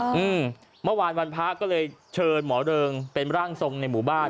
หือมันวานวันพักก็เลยเจอหมอเริงเป็นร่างสงศ์ในหมู่บ้าน